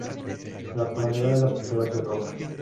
La tonalidad de las pinturas es roja.